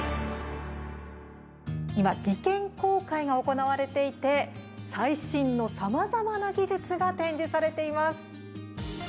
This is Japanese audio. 今、技研公開が行われていて最新のさまざまな技術が展示されています。